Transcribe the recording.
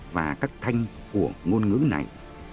và các thanh của ngôn ngữ này